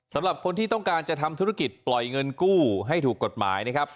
สำหรับคนที่ต้องการจะทำธุรกิจปล่อยเงินกู้ให้ถูกกฎหมายนะครับ